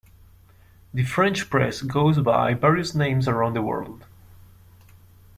The French press goes by various names around the world.